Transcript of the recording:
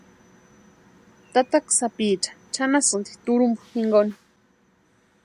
Tataka sápiicha chʼanasïnti turhumpu jinkoni.